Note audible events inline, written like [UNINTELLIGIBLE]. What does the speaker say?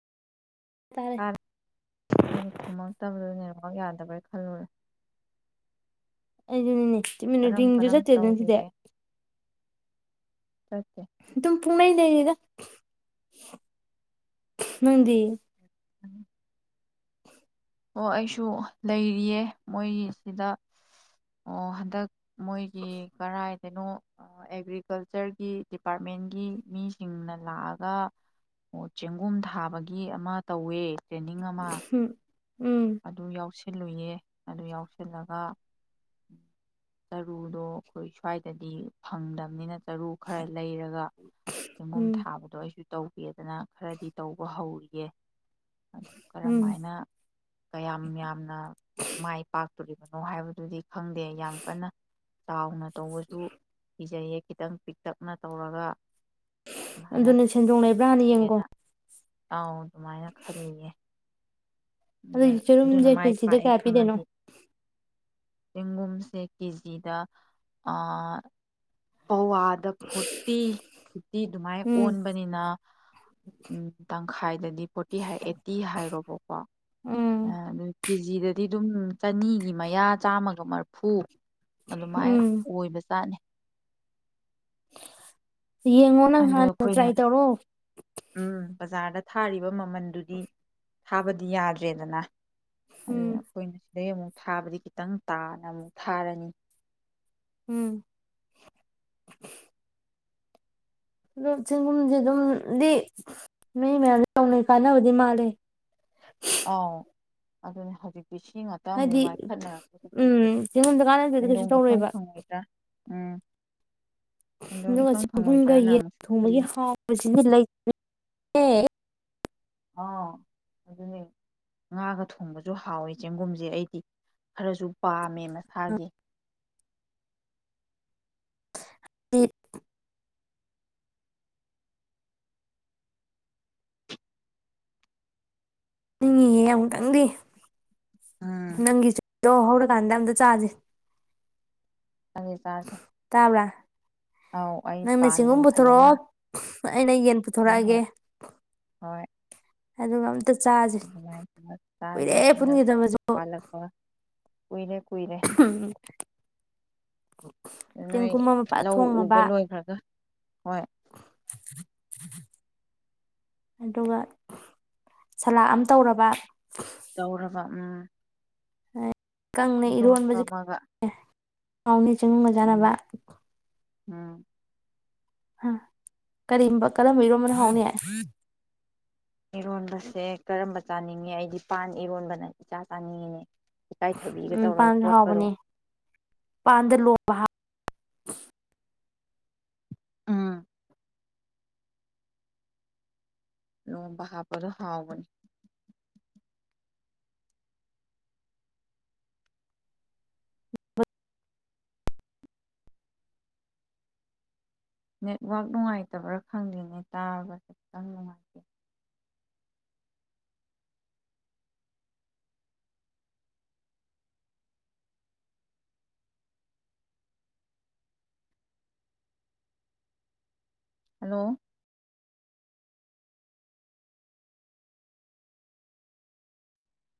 ꯇꯥꯔꯦ ꯑꯩꯅ ꯈꯨꯝꯝꯛꯇꯕꯗꯣꯏꯅꯦ ꯈꯨꯝꯝꯛ ꯌꯥꯗꯕꯣꯏ ꯈꯜꯂꯨꯔꯦ ꯑꯩꯖꯨꯅꯤꯅꯦ ꯇꯨꯃꯤꯟꯅ ꯀꯔꯝ ꯔꯤꯡꯖꯨ ꯀꯔꯝ ꯆꯠꯇꯦꯅꯗꯨꯗꯤ ꯇꯧꯔꯤꯒꯦ ꯆꯠꯇꯦ ꯑꯗꯨꯝ ꯄꯨꯡꯅꯩ ꯂꯩꯔꯤꯗ ꯅꯪꯗꯤ ꯎꯝ [INAUDIBLE] ꯑꯣ ꯑꯩꯁꯨ ꯂꯩꯔꯤꯌꯦ ꯃꯣꯏꯒꯤꯁꯤꯗ ꯑꯣ ꯍꯟꯗꯛ ꯃꯣꯏꯒꯤ ꯀꯔꯥꯏ ꯀꯩꯅꯣ ꯑꯦꯒ꯭ꯔꯤꯀꯜꯆꯔꯒꯤ ꯗꯤꯄꯥꯔꯠꯃꯦꯟꯒꯤ ꯃꯤꯁꯤꯡꯅ ꯂꯥꯛꯑꯒ ꯑꯣ ꯆꯦꯡꯒꯨꯝ ꯊꯥꯕꯒꯤ ꯑꯃ ꯇꯧꯋꯦ ꯇ꯭ꯔꯦꯟꯅꯤꯡ ꯑꯃ ꯎꯝ ꯎꯝ ꯑꯗꯨ ꯌꯥꯎꯁꯤꯟ ꯁꯤꯜꯂꯨꯏꯌꯦ ꯑꯗꯨ ꯌꯥꯎꯁꯜꯂꯒ ꯆꯔꯨꯗꯣ ꯑꯩꯈꯣꯏ ꯁ꯭ꯋꯥꯏꯗꯗꯤ ꯐꯪꯗꯕꯅꯤꯅ ꯆꯔꯨ ꯈꯔ ꯂꯩꯔꯒ ꯆꯦꯉꯒꯨꯝ ꯎꯝ ꯊꯥꯕꯗꯣ ꯑꯩꯁꯨ ꯇꯧꯒꯦꯗꯅ ꯈꯔꯗꯤ ꯇꯧꯕ ꯍꯧꯔꯤꯌꯦ [UNINTELLIGIBLE] ꯎꯝ ꯀꯔꯝꯃꯥꯏꯅ ꯌꯥꯝ ꯌꯥꯝꯅ ꯃꯥꯏ ꯄꯥꯛ ꯇꯣꯔꯤꯕꯅꯣ ꯍꯥꯏꯕꯗꯨꯗꯤ ꯈꯪꯗꯦ ꯌꯥꯝ ꯀꯟꯅ ꯆꯥꯎꯅ ꯇꯧꯕꯁꯨ ꯄꯤꯖꯩꯌꯦ ꯈꯤꯇꯪ ꯄꯤꯛꯇꯞꯅ ꯇꯧꯔꯒ ꯑꯗꯨꯃꯥꯏꯅ ꯑꯗꯨꯅꯤ ꯁꯦꯟꯗꯣꯡ ꯂꯩꯕ꯭ꯔꯥ ꯌꯦꯡꯀꯣ ꯌꯦꯡꯒꯦꯅ [UNINTELLIGIBLE] ꯑꯗꯨꯃꯥꯏꯅ ꯈꯜꯂꯤꯌꯦ ꯑꯗꯨꯒꯤ ꯑꯗꯨꯅ ꯆꯔꯨꯝꯖ ꯃꯥꯏ ꯀꯦꯖꯤꯗ ꯀꯌꯥ ꯄꯤꯗꯣꯏꯅꯣ ꯇꯦꯡꯡꯒꯨꯝꯁꯦ ꯀꯖꯤꯗ ꯄꯋꯥꯗ ꯐꯣꯔꯇꯤ ꯐꯤꯐꯇꯤ ꯑꯗꯨꯃꯥꯏ ꯎꯝ ꯑꯣꯟꯕꯅꯤꯅ ꯎꯪ ꯈꯥꯏꯗꯗꯤ ꯄꯣꯠ ꯐꯇꯤ ꯑꯩꯠꯇꯤ ꯍꯥꯏꯔꯣꯕꯀꯣ ꯎꯝ ꯑꯗꯨ ꯀꯦꯖꯤꯗꯗꯤ ꯑꯗꯨꯝ ꯆꯅꯤꯒꯤ ꯃꯌꯥ ꯆꯥꯝꯃꯒ ꯃꯔꯐꯨ ꯎꯝ ꯑꯗꯨꯃꯥꯏꯅ ꯑꯣꯏꯕ ꯆꯥꯠꯅꯤ ꯌꯦꯡꯉꯣ ꯅꯪ ꯑꯗꯨ ꯍꯥꯟꯅ ꯑꯩꯈꯣꯏꯅ ꯇ꯭ꯔꯥꯏ ꯇꯧꯔꯣ ꯎꯝ ꯕꯖꯥꯔꯗ ꯊꯥꯔꯤꯕ ꯃꯃꯜ ꯃꯝꯟꯗꯨꯗꯤ ꯊꯥꯕꯗꯤ ꯌꯥꯗ꯭ꯔꯦꯗꯅ ꯑꯗꯨꯅ ꯎꯝ ꯑꯩꯈꯣꯌꯅꯥ ꯑꯗꯩ ꯑꯃꯨꯛ ꯊꯥꯕꯗꯤ ꯈꯤꯇꯪ ꯇꯥꯅ ꯑꯃꯨꯛ ꯊꯥꯔꯅꯤ ꯎꯝ ꯂꯨꯞ ꯆꯦꯡꯒꯨꯝꯗꯤ ꯑꯗꯨꯝꯗꯤ ꯃꯤ ꯃꯌꯥꯝ ꯅꯧꯅꯩ ꯀꯥꯟꯅꯕꯗꯤ ꯃꯥꯂꯦ ꯑ ꯑꯗꯨꯅꯦ ꯍꯧꯖꯤ ꯁꯤ ꯉꯥꯛꯇ ꯑꯃꯨꯛ ꯍꯥꯏꯗꯤ ꯉꯥꯏꯈꯠꯅꯔꯛꯄꯁꯤꯗ ꯎꯝ ꯑꯩꯁꯦ ꯆꯦꯡꯒꯨꯝꯗ ꯀꯥꯟꯅꯗ꯭ꯔꯗꯤ ꯀꯩꯁꯨ ꯁꯦꯟꯗꯣꯡ ꯏꯐꯪ ꯐꯪꯉꯣꯏꯗ꯭ꯔꯥ ꯎꯝ ꯑꯗꯨꯝ ꯏꯐꯪ ꯆꯤꯡ ꯄꯨꯡꯒ ꯐꯪꯉꯣꯏꯗ꯭ꯔꯅ ꯌꯦꯟ ꯑꯃꯨꯛꯁꯨ ꯊꯣꯡꯕꯒꯤ ꯈꯜꯂꯤ ꯍꯥꯎꯕꯁꯤꯗꯤ ꯂꯩꯇ [UNINTELLIGIBLE] ꯑꯥꯎ ꯑꯗꯨꯅꯦ ꯉꯥꯒ ꯊꯣꯡꯕꯁꯨ ꯍꯥꯎꯋꯦ ꯆꯦꯡꯒꯨꯝꯁꯦ ꯑꯩꯗꯤ ꯈꯔꯁꯨ ꯄꯥꯝꯃꯦ ꯃꯁꯥꯒꯤ ꯍ [UNINTELLIGIBLE] [UNINTELLIGIBLE] ꯇꯅꯒꯗꯤ ꯎꯝ ꯅꯪꯒꯤ ꯆ ꯍꯧꯔꯀꯥꯟꯗ ꯑꯃꯇꯥ ꯆꯥꯖ [UNINTELLIGIBLE] ꯑꯧ ꯑꯩ ꯅꯪꯅ ꯄꯥꯟ ꯆꯤꯡꯒꯨꯝ ꯐꯖꯅ ꯄꯨꯊꯣꯔꯛꯑꯣ ꯑꯩꯅ ꯌꯦꯟ ꯍꯣꯏ ꯄꯨꯊꯣꯔꯛꯑꯒꯦ ꯍꯣꯏ ꯑꯗꯨꯒ ꯑꯝꯇ ꯆꯥꯁꯦ ꯑꯗꯨ ꯇꯥꯦ ꯀꯨꯏꯔꯦ ꯍꯟꯗꯛ ꯄꯨꯟꯈꯤꯗꯕꯁꯨ ꯄꯂꯛꯄ [INAUDIBLE] ꯀꯨꯏꯔꯦ ꯀꯨꯏꯔꯦ ꯅꯣꯏ ꯆꯦꯡꯒꯨꯝ ꯑꯃꯥ ꯐꯥꯖ ꯂꯧ ꯎꯕ ꯊꯣꯡꯉꯕ ꯂꯣꯏꯈ꯭ꯔꯒ ꯍꯣꯏ ꯑꯗꯨꯒ ꯁꯂꯥꯗ ꯑꯃ ꯇꯧꯔꯕ ꯇꯧꯔꯕ ꯎꯝ ꯀꯪꯅꯥ ꯏꯔꯣꯟꯕ ꯏꯔꯣꯟꯕꯖꯦ ꯑꯃꯒ ꯀꯩ ꯑꯥꯎꯅꯦ [INAUDIBLE] ꯆꯨꯝꯒ ꯆꯥꯟꯅꯕ ꯑꯝ ꯍꯨꯝ ꯀꯔꯤꯝꯕ ꯀꯔꯝꯕ ꯏꯔꯣꯝꯕꯅ ꯍꯥꯎꯅꯤ ꯏꯔꯣꯟꯕꯁꯦ ꯀꯔꯝꯕ ꯆꯥꯅꯤꯡꯉꯦ ꯑꯩꯗꯤ ꯄꯥꯟ ꯏꯔꯣꯟꯕꯅ ꯏꯆꯥ ꯆꯥꯅꯤꯡꯉꯤꯅꯦ ꯏꯀꯥꯏꯊꯕꯤꯒ ꯎꯝ ꯇꯧꯔꯒ ꯄꯥꯟ ꯀꯣꯠꯄꯗꯣ ꯍꯥꯎꯕꯅꯦ ꯄꯥꯟꯗ ꯂꯣꯝꯕ [INAUDIBLE] ꯎꯝ ꯂꯣꯝꯕ ꯍꯥꯥꯄꯗꯨ ꯍꯥꯎꯕꯅꯤ ꯅꯦꯠꯋꯥꯛ ꯅꯨꯡꯉꯥꯏꯇꯕ꯭ꯔꯥ ꯈꯪꯗꯦꯅꯦ ꯇꯥꯔꯕꯁꯨꯦ ꯈꯤꯇꯪ ꯅꯨꯡꯉꯥꯏꯇꯦ ꯍꯜꯂꯣ